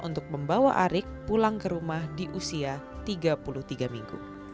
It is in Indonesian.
untuk membawa arik pulang ke rumah di usia tiga puluh tiga minggu